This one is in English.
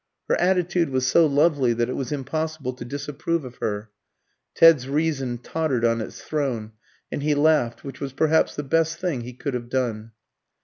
Her attitude was so lovely that it was impossible to disapprove of her. Ted's reason tottered on its throne, and he laughed, which was perhaps the best thing he could have done.